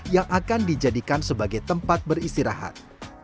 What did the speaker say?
yang akan dijadikan sebagai tempat beristirahat